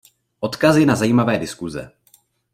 Odkazy na zajímavé diskuze.